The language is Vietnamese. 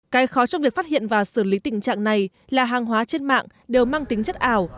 cái khó trong việc phát hiện và xử lý tình trạng này là hàng hóa trên mạng đều mang tính chất ảo